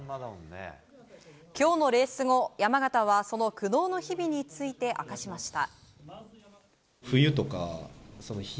今日のレース後山縣はその苦悩の日々について明かしました。